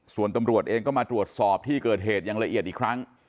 ส่วนตำรวจเองก็มาตรวจสอบที่เกิดเหตุอย่างละเอียดอีกครั้ง